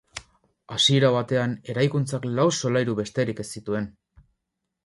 Hasiera batean eraikuntzak lau solairu besterik ez zituen.